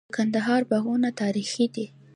د کندهار باغونه تاریخي دي.